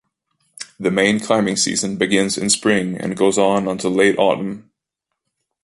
The main climbing season begins in spring and goes on until late autumn.